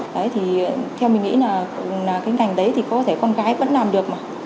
đấy thì theo mình nghĩ là cái ngành đấy thì có thể con gái vẫn làm được mà